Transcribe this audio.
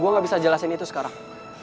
gue gak bisa jelasin itu sekarang